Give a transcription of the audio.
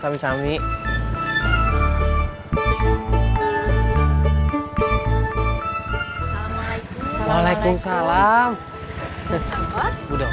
sumpah kudu kepala aja kalauves